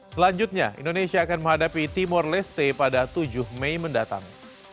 selanjutnya indonesia akan menghadapi timor leste pada tujuh mei mendatang